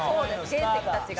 原石たちが。